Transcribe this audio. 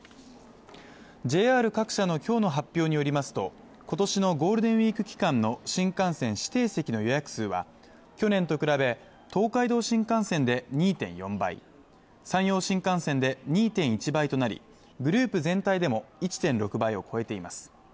ＪＲ各社の今日の発表によりますと今年のゴールデンウイーク期間の新幹線指定席の予約数は去年と比べ東海道新幹線で２．４倍、山陽新幹線で２．１倍となりグループ全体でも１．６倍を超えています。